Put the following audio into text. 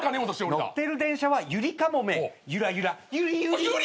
「乗ってる電車はゆりかもめゆらゆらゆりゆり」